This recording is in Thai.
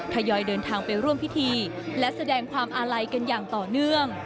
ทยอยเดินทางไปร่วมพิธีและแสดงความอาลัยกันอย่างต่อเนื่อง